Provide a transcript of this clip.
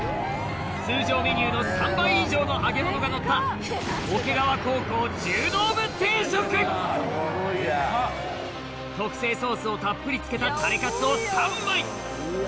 通常メニューの３倍以上の揚げ物がのった特製ソースをたっぷりつけたタレかつを３枚！